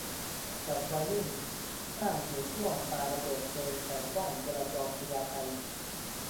จับวัยรุ่น อ้างเหตุร่วมปาระเบิดเพลิงใส่ป้อมจราจรพญาไท